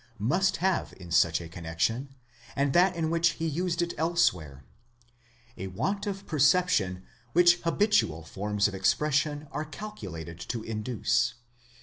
must have in such a connexion, and that in which he used it elsewhere—a want of perception which habitual forms of expression are calculated to induce.